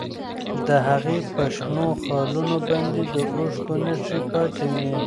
د هغې په شنو خالونو باندې د اوښکو نښې پاتې وې.